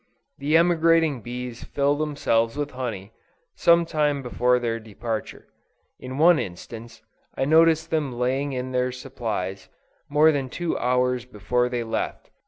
The emigrating bees fill themselves with honey, some time before their departure: in one instance, I noticed them laying in their supplies, more than two hours before they left.